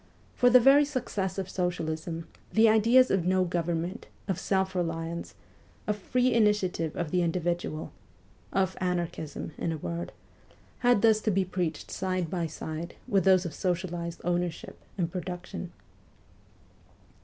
For the very success of socialism, the ideas of no government, of self reliance, of free initiative of the individual of anarchism, in a word had thus to be preached side by side with those of socialized ownership and production.